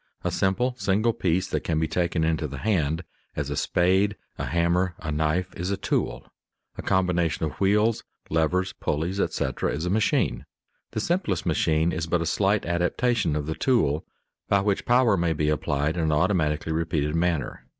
A simple, single piece that can be taken into the hand, as a spade, a hammer, a knife, is a tool; a combination of wheels, levers, pulleys, etc., is a machine. The simplest machine is but a slight adaptation of the tool, by which power may be applied in an automatically repeated manner.